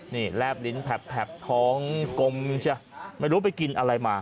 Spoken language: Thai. นี่แลบลิ้นแผบท้องกลมจะไม่รู้ไปกินอะไรมา